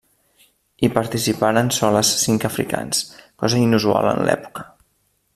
Hi participaren soles cinc africans, cosa inusual en l'època.